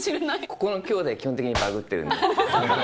ここのきょうだい、基本的にバグってるんで。